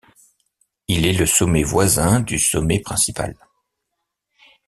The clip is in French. Il est le sommet voisin du sommet principal.